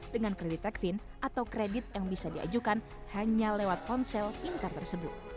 dengan kredit tekvin atau kredit yang bisa diajukan hanya lewat ponsel pintar tersebut